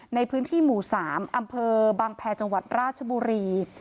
ในพื้นที่หมู่๓อำเภอบางแพรจังหวัดราชบุรี